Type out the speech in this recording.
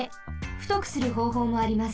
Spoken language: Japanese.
ふとくするほうほうもあります。